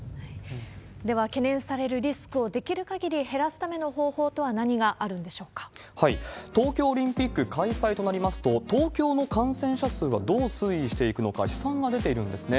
では、懸念されるリスクをできるかぎり減らすための方法とは何があるん東京オリンピック開催となりますと、東京の感染者数はどう推移していくのか、試算が出ているんですね。